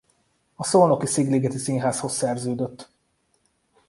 A szolnoki Szigligeti Színházhoz szerződött.